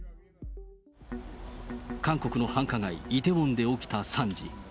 韓国の繁華街、イテウォンで起きた惨事。